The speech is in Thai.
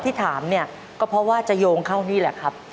ที่ถามเนี่ยก็เพราะว่าจะโยงเข้านี่แหละครับ